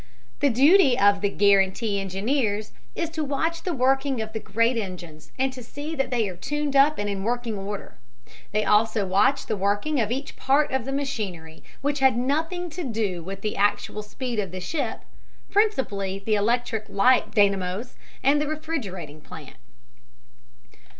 The duty of the "guarantee" engineers is to watch the working of the great engines, and to see that they are tuned up and in working order. They also watch the working of each part of the machinery which had nothing to do with the actual speed of the ship, principally the electric light dynamos and the refrigerating plant.